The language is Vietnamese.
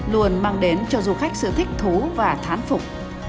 luôn mang đến cho du khách sự thích thú và thán phục